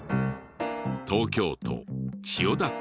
東京都千代田区。